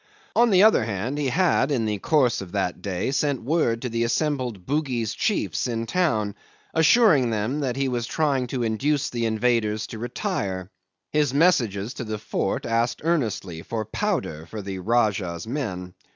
On the other hand, he had in the course of that day sent word to the assembled Bugis chiefs in town, assuring them that he was trying to induce the invaders to retire; his messages to the fort asked earnestly for powder for the Rajah's men.